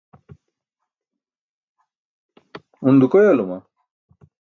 un dukoyalama?